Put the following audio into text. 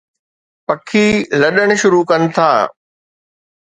پکي لڏڻ شروع ڪن ٿا